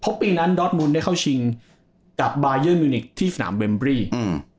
เพราะปีนั้นดอสมุนได้เข้าชิงกับบายันมิวนิกที่สนามเมมบรีอืม